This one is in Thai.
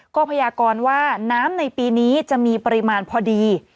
ก็พยากรว่าน้ำในปีนี้จะมีปริมาณพอดี